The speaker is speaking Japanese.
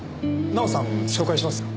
奈緒さん紹介しますよ。